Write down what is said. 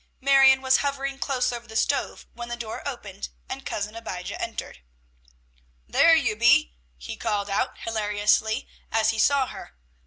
Marion was hovering close over the stove when the door opened and Cousin Abijah entered. "There you be," he called out hilariously as he saw her.